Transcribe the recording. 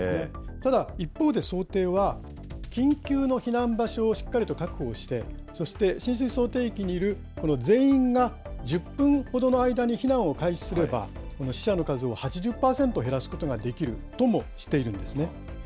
ただ、一方で想定は、緊急の避難場所をしっかりと確保して、そして浸水想定域にいるこの全員が１０分ほどの間に避難を開始すれば、この死者の数を８０％減らすことができるともしているんですね。